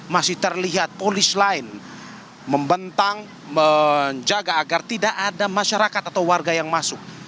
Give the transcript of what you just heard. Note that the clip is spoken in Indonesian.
masih terlihat polis lain membentang menjaga agar tidak ada masyarakat atau warga yang masuk